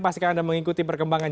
pastikan anda mengikuti perkembangan